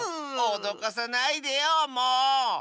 おどかさないでよもう！